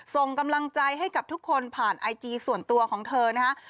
ส่งกำลังใจให้กับทุกคนผ่านไอจีส่วนตัวของเธอนะฮะ